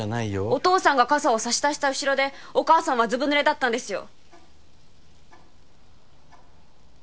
お父さんが傘を差しだした後ろでお母さんはずぶぬれだったんですよ